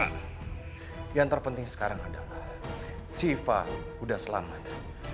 kak yang terpenting sekarang adalah siva udah selamat